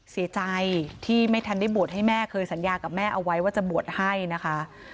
เสียใจที่ไม่ทันได้บวชให้แม่เคยสัญญากับแม่เอาไว้ว่าจะบวชให้นะคะ